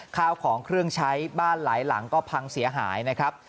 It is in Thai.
ข้าวของเครื่องใช้บ้านหลายหลังก็พังเสียหายนะครับ